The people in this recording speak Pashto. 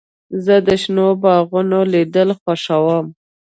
زه د شنو باغونو لیدل خوښوم.